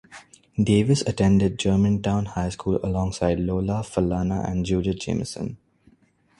Davis attended Germantown High School alongside Lola Falana and Judith Jamison.